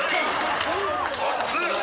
熱っ！？